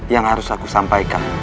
yang harus aku sampaikan